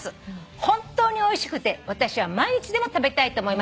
「本当においしくて私は毎日でも食べたいと思います」